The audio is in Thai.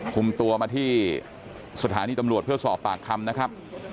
คุมตัวมาที่สถานีตำรวจเพื่อสอบปากคำนะครับ